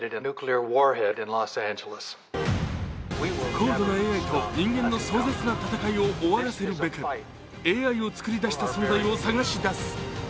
高度なＡＩと人間の壮絶な戦いを終わらせるべくＡＩをつくり出した存在を捜し出す。